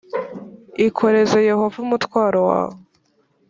Ikoreze Yehova umutwaro wawe